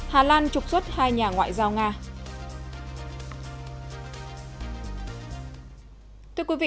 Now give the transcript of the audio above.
hà lan trục xuất hai nhà ngoại giao nga